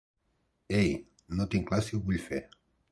Ei, no tinc clar si ho vull fer.